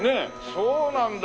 そうなんだ。